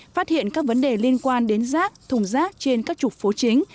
phát hiện các vấn đề liên quan đến rác thùng rác trên các trục phố chính